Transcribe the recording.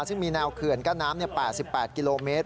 ซึ่งมีแนวเขื่อนกั้นน้ำ๘๘กิโลเมตร